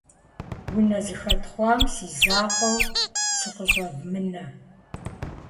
Унэ зэхэтхъуам си закъуэу сыкъыщӀэвмынэ!